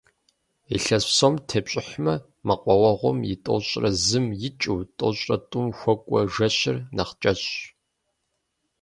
Илъэс псом тепщӀыхьмэ, мэкъуауэгъуэм и тӏощӏрэ зым икӀыу тӏощӏрэ тӏум хуэкӀуэ жэщыр нэхъ кӀэщӀщ.